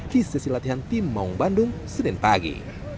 di sesi latihan tim maung bandung senin pagi